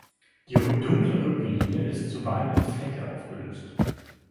Die dunkle Rückenlinie ist zuweilen in Flecke aufgelöst.